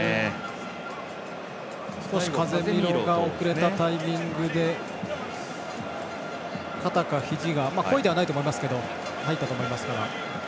少し遅れたタイミングで肩かひじが故意ではないと思いますけど入ったと思います。